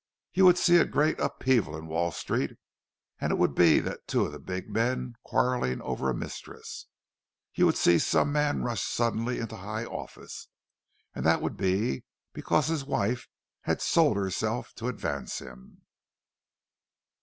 You would see a great upheaval in Wall Street, and it would be two of the big men quarrelling over a mistress; you would see some man rush suddenly into a high office—and that would be because his wife had sold herself to advance him.